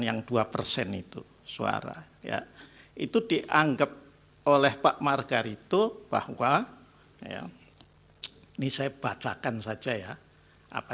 yang dua persen itu suara ya itu dianggap oleh pak margar itu bahwa ya ini saya bacakan saja ya apa